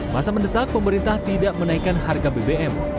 masa mendesak pemerintah tidak menaikkan harga bbm